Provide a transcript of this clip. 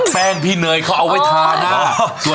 แป้งพี่เนยเขาเอาไว้ทานแล้ว